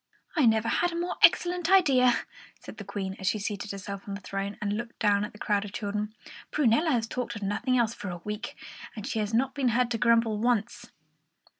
"I never had a more excellent idea," said the Queen, as she seated herself on the throne and looked down at the crowd of children. "Prunella has talked of nothing else for a whole week, and she has not been heard to grumble once."